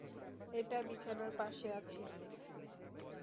এটা বিছানার পাশে আছে।